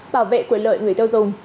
bảo vệ quyền lợi người tiêu dùng